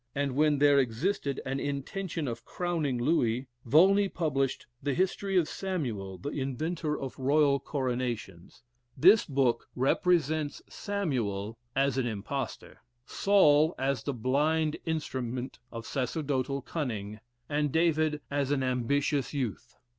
and when there existed an intention of crowning Louis, Volney published "The History of Samuel, the inventor of Royal Coronations." This book represents Samuel as an impostor, Saul as the blind instrument of sacerdotal cunning, and David as an ambitious youth.